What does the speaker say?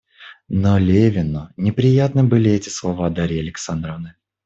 Но Левину неприятны были эти слова Дарьи Александровны.